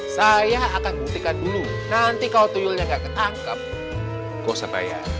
saya akan buktikan dulu nanti kalau tuyulnya gak ketangkep gue usah bayar